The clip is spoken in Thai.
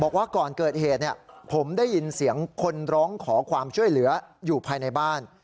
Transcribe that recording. บอกว่าก่อนเกิดเหตุผมได้ยินเสียงคนร้องขอความช่วยเหลืออยู่ภายในบ้าน